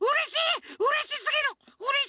うれしすぎる。